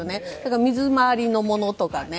水回りのものとかね。